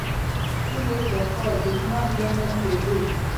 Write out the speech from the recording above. پولې پخوا دښمن ګڼل کېدې.